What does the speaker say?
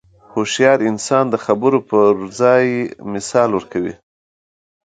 هوښیار انسان د خبرو پر ځای مثال ورکوي.